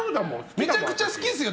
めちゃくちゃ好きですよね